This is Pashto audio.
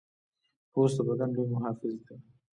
پوست د بدن لوی محافظ دی.